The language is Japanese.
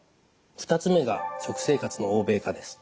２つ目が食生活の欧米化です。